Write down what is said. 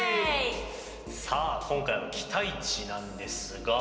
さあ今回は「期待値」なんですが。